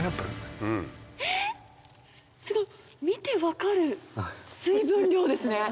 見て分かる水分量ですね。